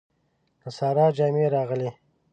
د سارا جامې راغلې.